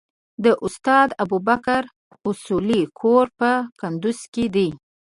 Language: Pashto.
د استاد ابوبکر اصولي کور په کندوز کې دی.